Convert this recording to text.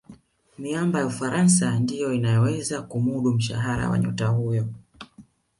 miamba ya ufaransa ndiyo inaweza kumudu mshahara wa nyota huyo